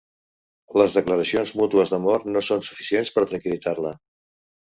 Les declaracions mútues d'amor no són suficients per tranquil·litzar-la.